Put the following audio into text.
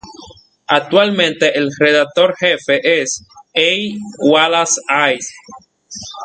Actualmente, el redactor jefe es A. Wallace Hayes.